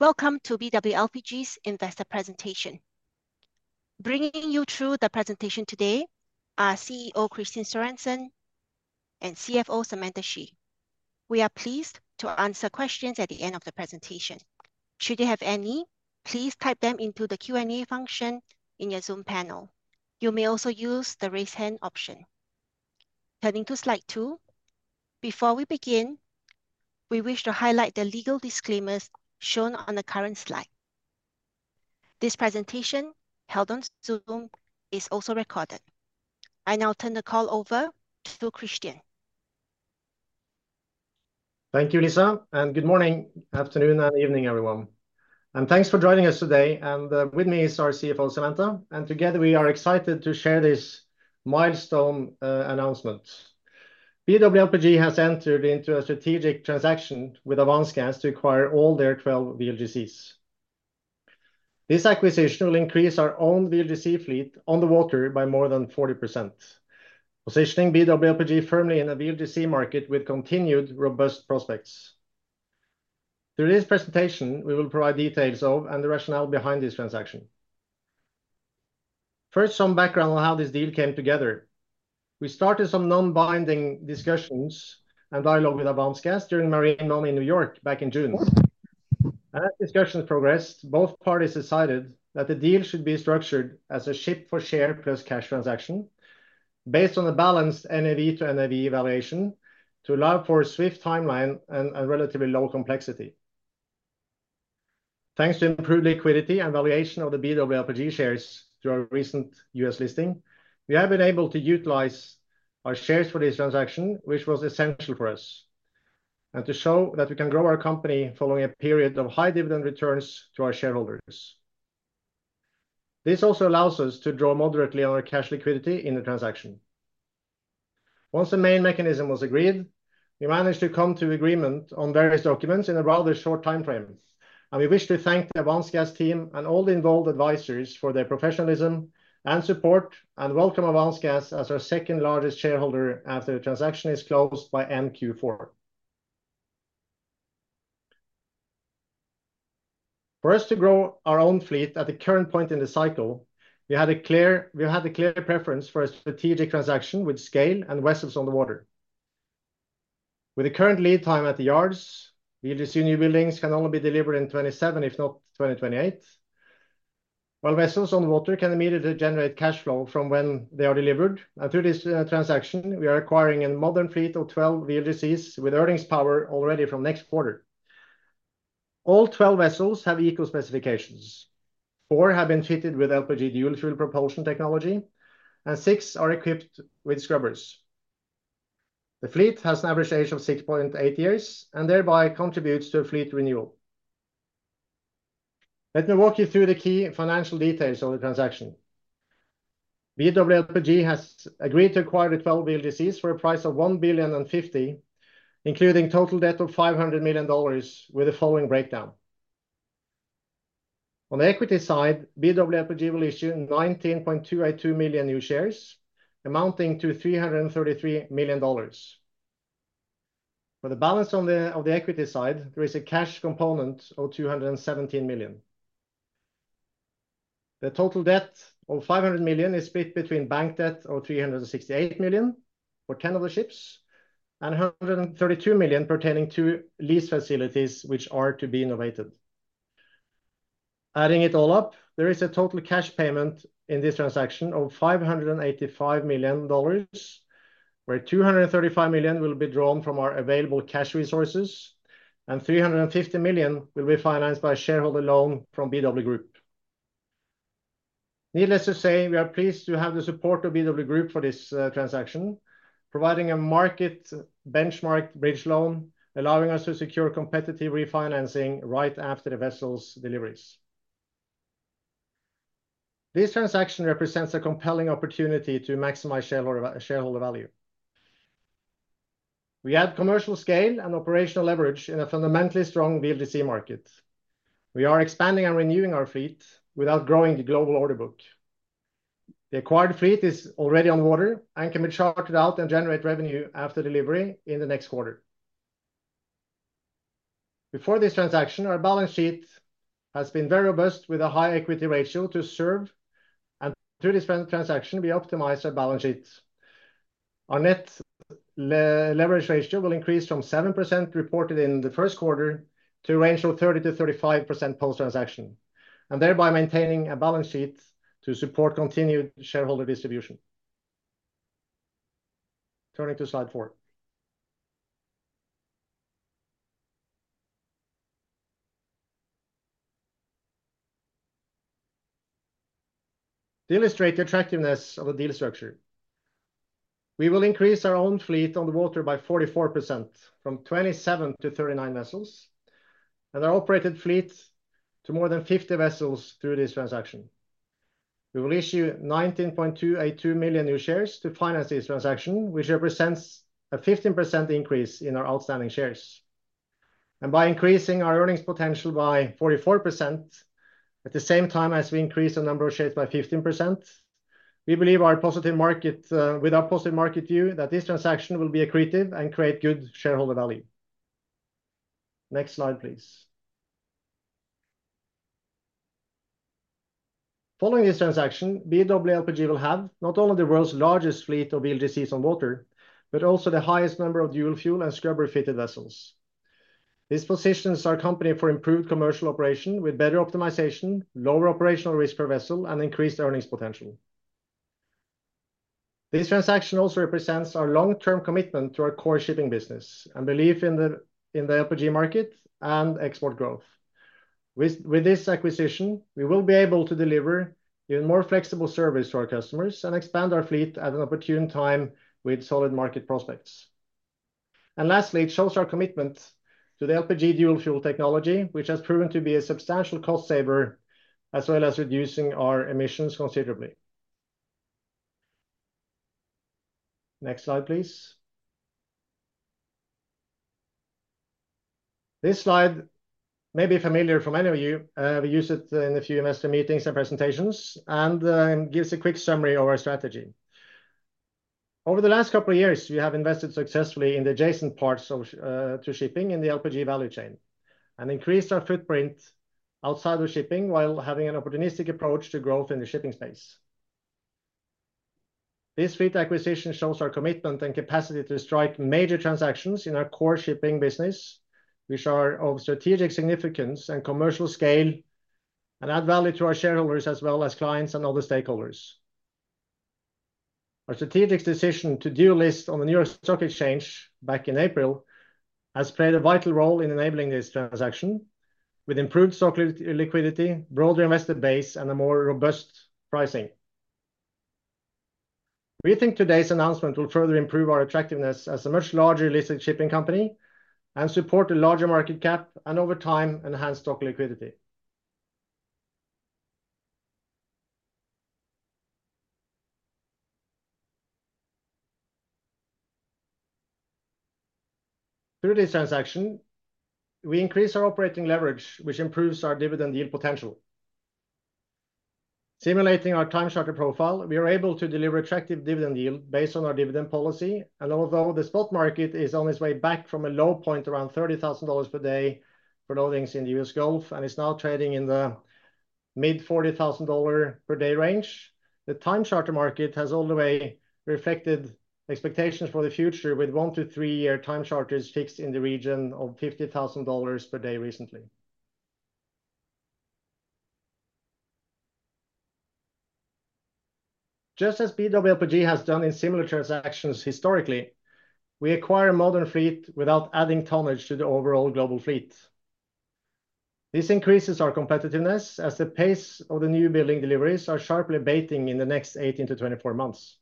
Welcome to BW LPG's investor presentation. Bringing you through the presentation today are CEO Kristian Sørensen and CFO Samantha Xu. We are pleased to answer questions at the end of the presentation. Should you have any, please type them into the Q&A function in your Zoom panel. You may also use the Raise Hand option. Turning to slide two, before we begin, we wish to highlight the legal disclaimers shown on the current slide. This presentation, held on Zoom, is also recorded. I now turn the call over to Kristian. Thank you, Lisa, and good morning, afternoon, and evening, everyone, and thanks for joining us today. With me is our CFO, Samantha, and together we are excited to share this milestone announcement. BW LPG has entered into a strategic transaction with Avance Gas to acquire all their 12 VLGCs. This acquisition will increase our own VLGC fleet on the water by more than 40%, positioning BW LPG firmly in a VLGC market with continued robust prospects. Through this presentation, we will provide details of and the rationale behind this transaction. First, some background on how this deal came together. We started some non-binding discussions and dialogue with Avance Gas during Marine Money in New York back in June. As discussions progressed, both parties decided that the deal should be structured as a ship for share plus cash transaction based on the balanced NAV to NAV valuation, to allow for a swift timeline and relatively low complexity. Thanks to improved liquidity and valuation of the BW LPG shares through our recent U.S. listing, we have been able to utilize our shares for this transaction, which was essential for us, and to show that we can grow our company following a period of high dividend returns to our shareholders. This also allows us to draw moderately on our cash liquidity in the transaction. Once the main mechanism was agreed, we managed to come to agreement on various documents in a rather short timeframe, and we wish to thank the Avance Gas team and all the involved advisors for their professionalism and support, and welcome Avance Gas as our second largest shareholder after the transaction is closed by end Q4. For us to grow our own fleet at the current point in the cycle, we had a clear preference for a strategic transaction with scale and vessels on the water. With the current lead time at the yards, VLGC new buildings can only be delivered in 2027, if not 2028, while vessels on the water can immediately generate cash flow from when they are delivered. Through this transaction, we are acquiring a modern fleet of 12 VLGCs, with earnings power already from next quarter. All 12 vessels have equal specifications. Four have been fitted with LPG dual-fuel propulsion technology, and six are equipped with scrubbers. The fleet has an average age of 6.8 years and thereby contributes to a fleet renewal. Let me walk you through the key financial details of the transaction. BW LPG has agreed to acquire the 12 VLGCs for a price of $1.05 billion, including total debt of $500 million, with the following breakdown: On the equity side, BW LPG will issue 19.282 million new shares, amounting to $333 million. For the balance on the equity side, there is a cash component of $217 million. The total debt of $500 million is split between bank debt of $368 million, for 10 of the ships, and $132 million pertaining to lease facilities, which are to be novated. Adding it all up, there is a total cash payment in this transaction of $585 million, where $235 million will be drawn from our available cash resources and $350 million will be financed by a shareholder loan from BW Group. Needless to say, we are pleased to have the support of BW Group for this transaction, providing a market benchmark bridge loan, allowing us to secure competitive refinancing right after the vessels' deliveries. This transaction represents a compelling opportunity to maximize shareholder, shareholder value. We add commercial scale and operational leverage in a fundamentally strong VLGC market. We are expanding and renewing our fleet without growing the global order book. The acquired fleet is already on water and can be chartered out and generate revenue after delivery in the next quarter. Before this transaction, our balance sheet has been very robust, with a high equity ratio to serve, and through this transaction, we optimize our balance sheet. Our net leverage ratio will increase from 7%, reported in the first quarter, to a range of 30%-35% post-transaction, and thereby maintaining a balance sheet to support continued shareholder distribution. Turning to slide four. To illustrate the attractiveness of the deal structure, we will increase our own fleet on the water by 44%, from 27 to 39 vessels, and our operated fleet to more than 50 vessels through this transaction. We will issue 19.282 million new shares to finance this transaction, which represents a 15% increase in our outstanding shares. And by increasing our earnings potential by 44%, at the same time as we increase the number of shares by 15%, we believe our positive market, with our positive market view, that this transaction will be accretive and create good shareholder value. Next slide, please. Following this transaction, BW LPG will have not only the world's largest fleet of VLGCs on water, but also the highest number of dual fuel and scrubber-fitted vessels. This positions our company for improved commercial operation with better optimization, lower operational risk per vessel, and increased earnings potential. This transaction also represents our long-term commitment to our core shipping business, and belief in the LPG market and export growth. With this acquisition, we will be able to deliver even more flexible service to our customers and expand our fleet at an opportune time with solid market prospects. Lastly, it shows our commitment to the LPG dual fuel technology, which has proven to be a substantial cost saver, as well as reducing our emissions considerably. Next slide, please. This slide may be familiar for many of you. We used it in a few investor meetings and presentations, and it gives a quick summary of our strategy. Over the last couple of years, we have invested successfully in the adjacent parts of to shipping in the LPG value chain, and increased our footprint outside of shipping, while having an opportunistic approach to growth in the shipping space. This fleet acquisition shows our commitment and capacity to strike major transactions in our core shipping business, which are of strategic significance and commercial scale, and add value to our shareholders as well as clients and other stakeholders. Our strategic decision to list on the New York Stock Exchange back in April has played a vital role in enabling this transaction, with improved stock liquidity, broader investor base, and a more robust pricing. We think today's announcement will further improve our attractiveness as a much larger listed shipping company, and support a larger market cap, and over time, enhance stock liquidity. Through this transaction, we increase our operating leverage, which improves our dividend yield potential. Simulating our time charter profile, we are able to deliver attractive dividend yield based on our dividend policy. Although the spot market is on its way back from a low point, around $30,000 per day for loadings in the U.S. Gulf, and is now trading in the mid-$40,000 per day range, the time charter market has all the way reflected expectations for the future, with one to three-year time charters fixed in the region of $50,000 per day recently. Just as BW LPG has done in similar transactions historically, we acquire a modern fleet without adding tonnage to the overall global fleet. This increases our competitiveness, as the pace of the new building deliveries are sharply abating in the next 18-24 months.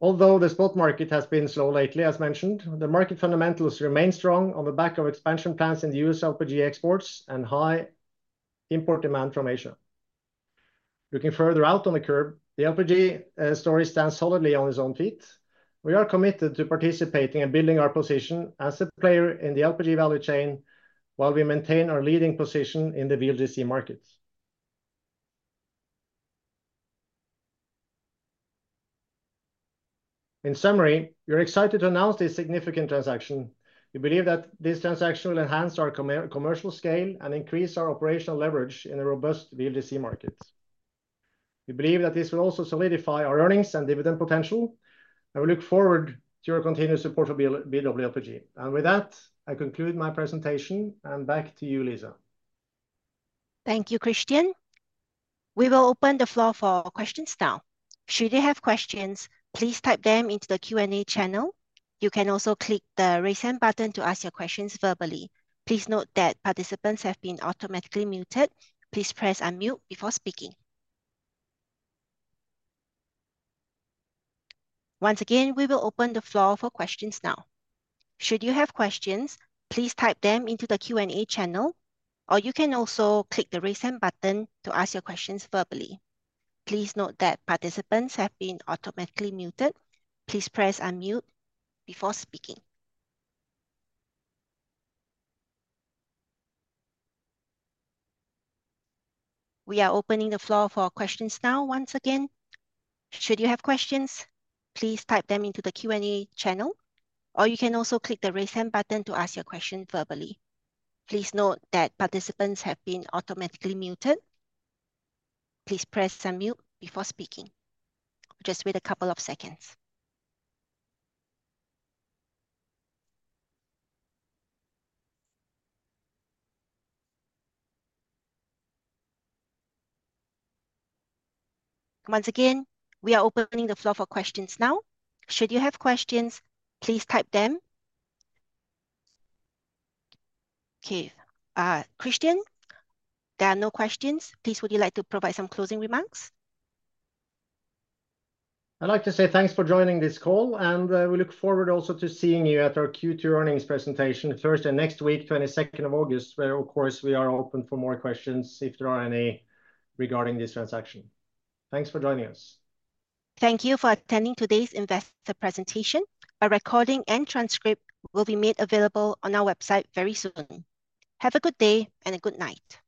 Although the spot market has been slow lately, as mentioned, the market fundamentals remain strong on the back of expansion plans in the U.S. LPG exports and high import demand from Asia. Looking further out on the curve, the LPG story stands solidly on its own feet. We are committed to participating and building our position as a player in the LPG value chain, while we maintain our leading position in the VLGC market. In summary, we are excited to announce this significant transaction. We believe that this transaction will enhance our commercial scale and increase our operational leverage in a robust VLGC market. We believe that this will also solidify our earnings and dividend potential, and we look forward to your continued support for BW, BW LPG. With that, I conclude my presentation, and back to you, Lisa. Thank you, Kristian. We will open the floor for questions now. Should you have questions, please type them into the Q&A channel. You can also click the raise hand button to ask your questions verbally. Please note that participants have been automatically muted. Please press unmute before speaking. Once again, we will open the floor for questions now. Should you have questions, please type them into the Q&A channel, or you can also click the raise hand button to ask your questions verbally. Please note that participants have been automatically muted. Please press unmute before speaking. We are opening the floor for questions now, once again. Should you have questions, please type them into the Q&A channel, or you can also click the raise hand button to ask your question verbally. Please note that participants have been automatically muted. Please press unmute before speaking. Just wait a couple of seconds. Once again, we are opening the floor for questions now. Should you have questions, please type them. Okay, Kristian, there are no questions. Please, would you like to provide some closing remarks? I'd like to say thanks for joining this call, and, we look forward also to seeing you at our Q2 earnings presentation Thursday next week, 22nd of August, where, of course, we are open for more questions, if there are any, regarding this transaction. Thanks for joining us. Thank you for attending today's investor presentation. A recording and transcript will be made available on our website very soon. Have a good day and a good night.